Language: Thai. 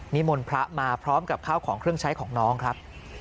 มนต์พระมาพร้อมกับข้าวของเครื่องใช้ของน้องครับ